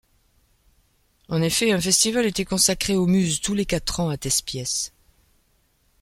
En effet un festival était consacré aux Muses tous les quatre ans à Thespies.